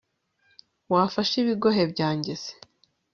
wafashe ibigohe byanjye c